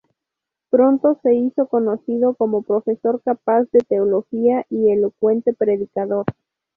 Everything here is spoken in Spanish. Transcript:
Pronto se hizo conocido como profesor capaz de teología y elocuente predicador.